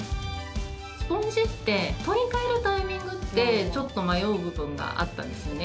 スポンジって取り換えるタイミングってちょっと迷う部分があったんですね。